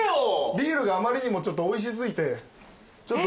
ビールがあまりにもちょっとおいし過ぎて。